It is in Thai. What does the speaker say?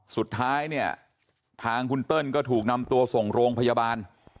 สุดท้ายเนี่ยทางคุณเติ้ลก็ถูกนำตัวส่งโรงพยาบาล